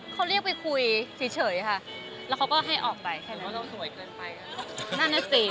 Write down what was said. เขาเรียกไปคุยเฉยเฉยค่ะแล้วเขาก็ให้ออกไปถูกสวยเกินไปอะนั่นนี้สิ